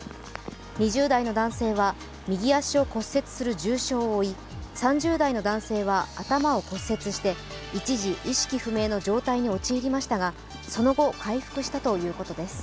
２０代の男性は右足を骨折する重傷を負い３０代の男性は頭を骨折して、一時、意識不明の状態に陥りましたがその後、回復したということです。